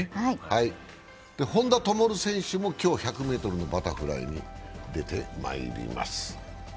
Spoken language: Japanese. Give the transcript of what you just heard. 本多灯選手も今日、１００ｍのバタフライに出てまいります。